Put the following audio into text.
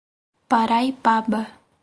Paraipaba